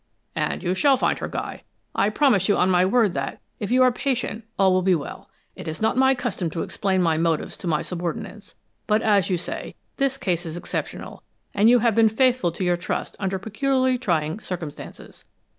"And you shall find her, Guy. I promise you on my word that if you are patient all will be well. It is not my custom to explain my motives to my subordinates, but as you say, this case is exceptional, and you have been faithful to your trust under peculiarly trying circumstances.